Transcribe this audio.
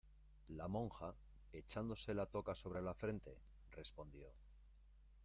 la monja, echándose la toca sobre la frente , respondió: